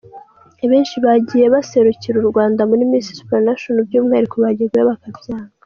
Abenshi bagiye baserukira u Rwanda muri Miss Supranational by’umwihariko bajyagayo bakabyanga.